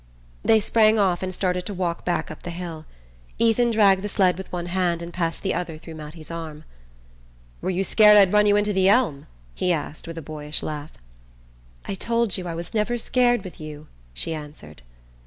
They sprang off and started to walk back up the hill. Ethan dragged the sled with one hand and passed the other through Mattie's arm. "Were you scared I'd run you into the elm?" he asked with a boyish laugh. "I told you I was never scared with you," she answered.